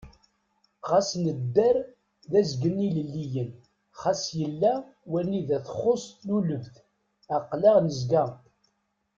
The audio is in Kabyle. Ɣas nedder d azgen-ilelliyen, ɣas yella wanida txuṣ tlulebt, aql-aɣ nezga!